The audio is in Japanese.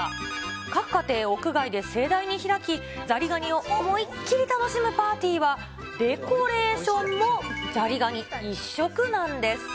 各家庭屋外で盛大に開き、ザリガニを思いっ切り楽しむパーティーは、デコレーションもザリガニ一色なんです。